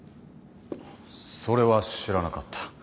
それは知らなかった。